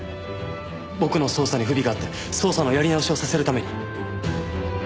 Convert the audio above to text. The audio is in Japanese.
僕の捜査に不備があって捜査のやり直しをさせるために。